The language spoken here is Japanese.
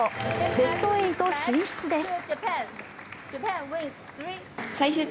ベスト８進出です。